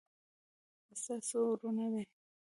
ستا څو ورونه دي